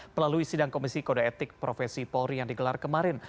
melalui sidang komisi kode etik profesi polri yang digelar kemarin